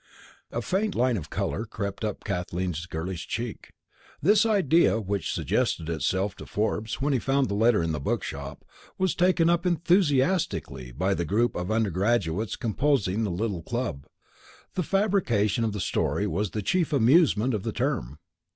A faint line of colour crept up Kathleen's girlish cheek. "This idea, which suggested itself to Forbes when he found the letter in the bookshop, was taken up enthusiastically by the group of undergraduates composing the little club. The fabrication of the story was the chief amusement of the term.